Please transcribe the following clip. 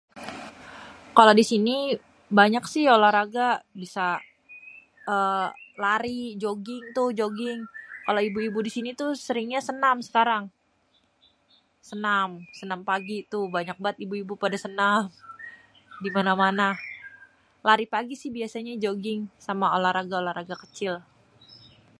Kalo di sini banyak sih olahraga, bisa êêê lari, jogging tuh jogging. Kalo ibu-ibu di sini tuh senengnya senam sekarang, senam, senam pagi tuh banyak banget ibu-ibu pada senam di mana-mana. Lari pagi sih biasanya, jogging, sama olahraga-olahraga kecil.